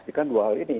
memastikan dua hal ini